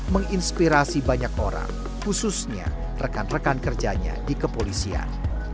menginspirasi banyak orang khususnya rekan rekan kerjanya di kepolisian